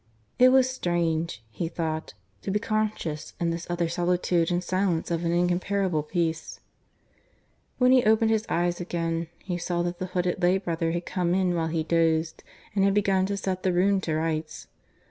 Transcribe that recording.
It was strange, he thought, to be conscious in this utter solitude and silence of an incomparable peace. ... When he opened his eyes again, he saw that the hooded lay brother had come in while he dozed, and had begun to set the room to rights.